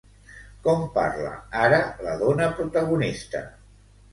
Com parla ara la dona protagonista?